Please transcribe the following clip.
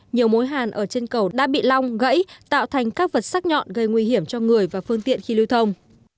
nhiều mối hàn ở trên cầu đã bị long gãy tạo thành các vật sắc nhọn gây nguy hiểm cho người và phương tiện khi lưu thông